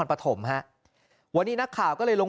น้ำขวัญปะถม